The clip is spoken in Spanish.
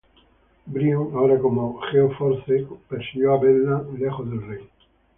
Brion ahora como Geo-Force, persiguió a Bedlam lejos del rey.